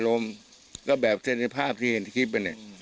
ร้มแบบเซลตีภาพที่เห็นคลิปนั้นเนี่ย